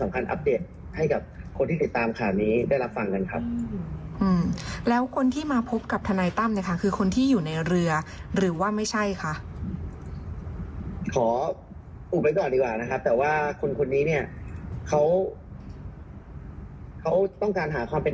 เขาต้องการหาความเป็นทำให้กับทางน้องแตงโม